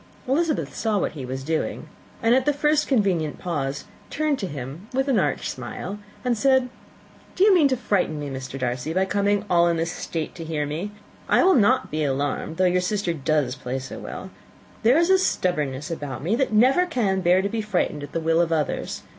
Elizabeth saw what he was doing, and at the first convenient pause turned to him with an arch smile, and said, "You mean to frighten me, Mr. Darcy, by coming in all this state to hear me. But I will not be alarmed, though your sister does play so well. There is a stubbornness about me that never can bear to be frightened at the will of others.